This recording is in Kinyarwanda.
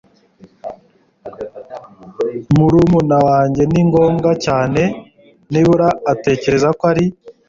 Murumuna wanjye ni ngombwa cyane. Nibura atekereza ko ari.